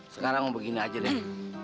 sekarang begini aja deh